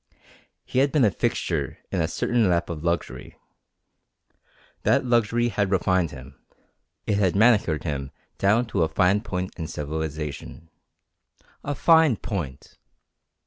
He had been a fixture in a certain lap of luxury. That luxury had refined him. It had manicured him down to a fine point of civilization. A fine point!